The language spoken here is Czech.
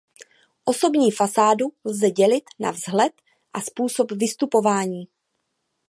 Osobní fasádu lze dělit na vzhled a způsob vystupování.